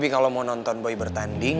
kalau kamu mau menonton boy bertanding